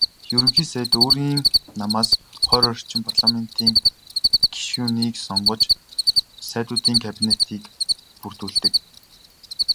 Ерөнхий сайд өөрийн намаас хорь орчим парламентын гишүүнийг сонгож "Сайдуудын кабинет"-ийг бүрдүүлдэг.